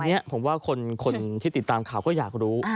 อันนี้ผมว่าคนที่ติดตามข่าวก็อยากรู้